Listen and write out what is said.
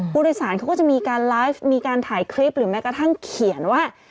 ผู้โดยสารเขาก็จะมีการไลฟ์มีการถ่ายคลิปหรือแม้กระทั่งเขียนว่า